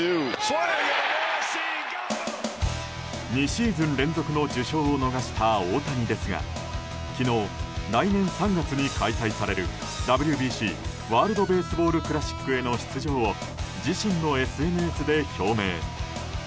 ２シーズン連続の受賞を逃した大谷ですが昨日、来年３月に開催されるＷＢＣ・ワールド・ベースボール・クラシックへの出場を自身のＳＮＳで表明。